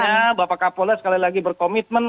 saya minta doanya bapak kapolres sekali lagi berkomitmen